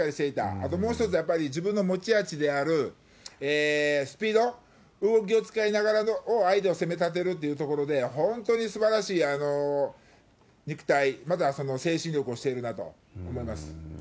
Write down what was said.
あともう一つ、やっぱり自分の持ち味であるスピード、動きを使いながら相手を攻めたてるっていうところで、本当にすばらしい肉体、また精神力をしているなと思います。